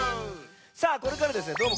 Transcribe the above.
さあこれからですね